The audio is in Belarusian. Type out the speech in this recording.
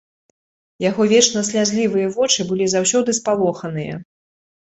Яго вечна слязлівыя вочы былі заўсёды спалоханыя.